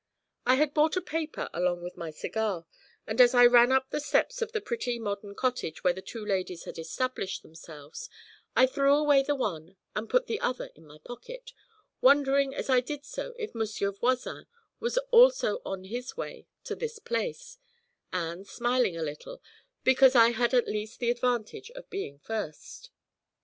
I had bought a paper along with my cigar, and as I ran up the steps of the pretty modern cottage where the two ladies had established themselves I threw away the one and put the other in my pocket, wondering as I did so if Monsieur Voisin was also on his way to this place, and smiling a little, because I had at least the advantage of being first.